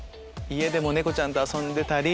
家でも猫ちゃんと遊んでたり。